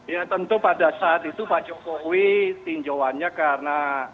ya tentu pada saat itu pak jokowi tinjauannya karena